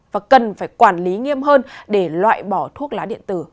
và cần phải quản lý nghiêm hơn để loại bỏ thuốc lá điện tử